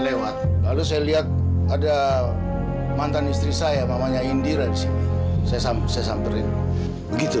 lewat lalu saya lihat ada mantan istri saya mamanya indira disini saya samperin begitu